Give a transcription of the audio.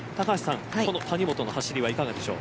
この谷本の走りはいかがでしょう。